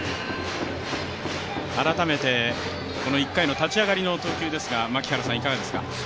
改めて１回の立ち上がりの投球ですがいかがですか？